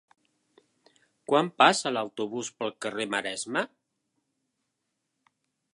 Quan passa l'autobús pel carrer Maresme?